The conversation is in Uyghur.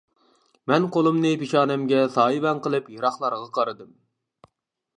مەن قولۇمنى پېشانەمگە سايىۋەن قىلىپ يىراقلارغا قارىدىم.